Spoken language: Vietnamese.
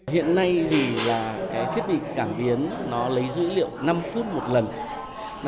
hiện nay thì là cái thiết bị cảm biến nó lấy dữ liệu năm phút một lần